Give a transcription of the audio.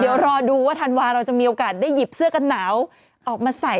เดี๋ยวรอดูว่าธันวาเราจะมีโอกาสได้หยิบเสื้อกันหนาวออกมาใส่